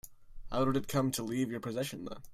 How did it come to leave your possession then?